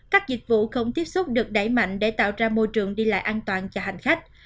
các dịch vụ không tiếp xúc được đẩy mạnh để tạo ra môi trường đi lại an toàn cho hành khách